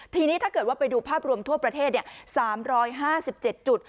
ทีนี้ถ้าเกิดว่าไปดูภาพรวมทั่วประเทศ๓๕๗จุด